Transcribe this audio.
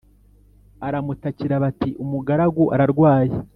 aramutakira bati umugaragu ararwaye